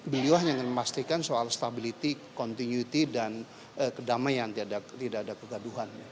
beliau hanya ingin memastikan soal stability continuity dan kedamaian tidak ada kegaduhan